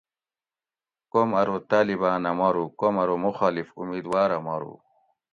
کوم ارو طالبان اۤ مارُو کوم ارو مُخالِف اُمیدواۤر اۤ مارو